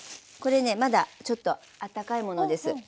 これねまだちょっとあったかいものです。